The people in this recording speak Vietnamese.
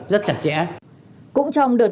rất chặt chẽ cũng trong đợt